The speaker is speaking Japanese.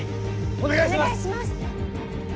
お願いします！